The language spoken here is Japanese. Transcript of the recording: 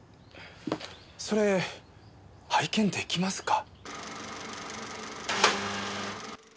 それ拝見出来ますか？